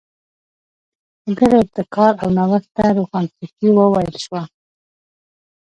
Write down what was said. د دغې ابتکار او نوښت ته روښانفکري وویل شوه.